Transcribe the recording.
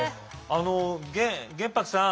あの玄白さん。